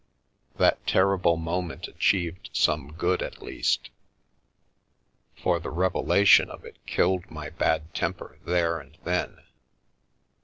That terrible moment achieved some good, at least, for The Milky Way the revelation of it killed my bad temper there and then.